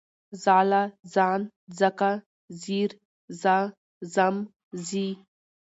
ځاله، ځان، ځکه، ځير، ځه، ځم، ځي